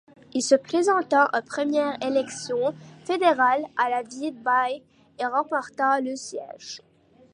Il se présenta aux premières élections fédérales à Wide Bay et remporta le siège.